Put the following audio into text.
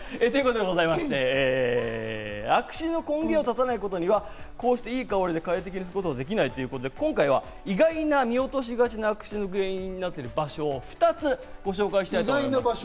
ということでございまして、悪臭の根源を絶たないことには、いい香りで快適に過ごせないということで、今回は見落としがちな悪臭の原因になっている場所を２つご紹介したいと思います。